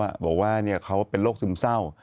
ผู้จัดการเขาว่าเขาเป็นโรคซึมเศร้า